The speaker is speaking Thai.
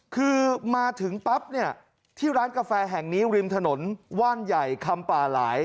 คือมาถึงปั๊บเนี่ยที่ร้านกาแฟแห่งนี้ริมถนนว่านใหญ่คำป่าหลาย